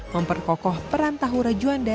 memperkokoh perantahura juanda